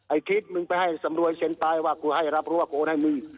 คลิปมึงไปให้สำรวยเซ็นไปว่ากูให้รับรู้ว่ากูให้มึง